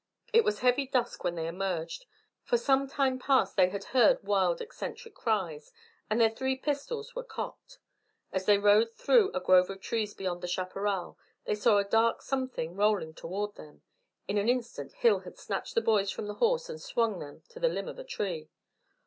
It was heavy dusk when they emerged. For some time past they had heard wild eccentric cries, and their three pistols were cocked. As they rode through a grove of trees beyond the chaparral, they saw a dark something rolling toward them. In an instant Hill had snatched the boys from the horse and swung them to the limb of a tree.